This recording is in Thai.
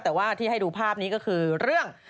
แต่ว่าที่ให้ดูภาพนี้ก็คือเรื่อง